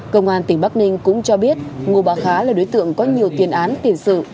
công an tỉnh bắc ninh cũng cho biết ngô bà khá là đối tượng có nhiều tiền án tiền sự